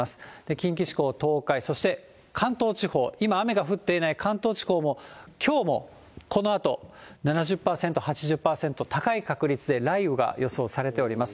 近畿地方、東海、そして関東地方、今、雨が降っていない関東地方も、きょうもこのあと７０％、８０％、高い確率で雷雨が予想されております。